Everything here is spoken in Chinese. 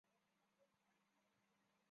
首三种血凝素则常见于人类流感病毒。